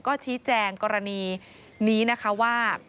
ก็ชี้แจงกรณีนี้นะคะว่า